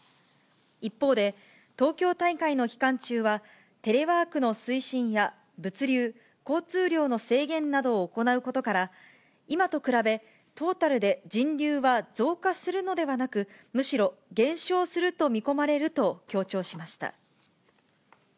一方で、東京大会の期間中は、テレワークの推進や、物流、交通量の制限などを行うことから、今と比べ、トータルで人流は増加するのではなく、むしろ減少すると見込まれると強調しました。